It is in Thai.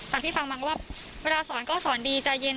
แต่พี่ฟังบ้างว่าเวลาสอนก็สอนดีใจเย็น